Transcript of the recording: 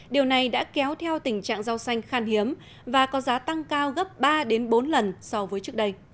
điều này đã kéo theo tình trạng rau xanh khan hiếm và có giá tăng cao gấp ba bốn lần so với trước đây